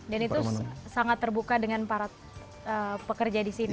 dan itu sangat terbuka dengan para pekerja di sini